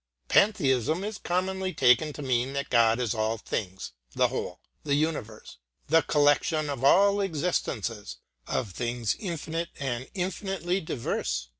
Pantheism is commonly taken to mean that God is all things the whole, the universe, the collection of all existences, of things infinite and infinitely diverse.